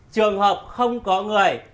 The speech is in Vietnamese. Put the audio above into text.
trường hợp không có người